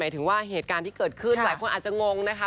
ถึงว่าเหตุการณ์ที่เกิดขึ้นหลายคนอาจจะงงนะคะ